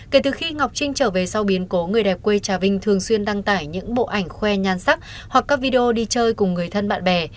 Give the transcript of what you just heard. kể từ khi ngọc trinh trở về sau biến cố người đẹp quê trà vinh thường xuyên đăng tải những bộ ảnh khoe nhan sắc hoặc các video đi chơi cùng người thân bạn bè